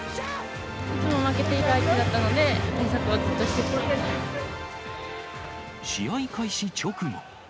いつも負けていた相手だった試合開始直後。